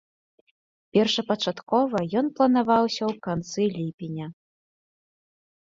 Першапачаткова ён планаваўся ў канцы ліпеня.